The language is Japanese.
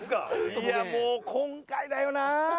いやもう今回だよな。